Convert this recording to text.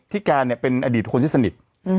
การเนี่ยเป็นอดีตคนที่สนิท